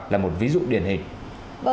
là một ví dụ điển hình